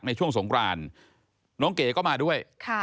ช่วงสงครานน้องเก๋ก็มาด้วย